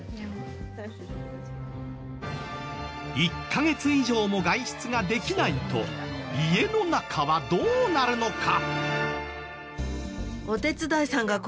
１カ月以上も外出ができないと家の中はどうなるのか？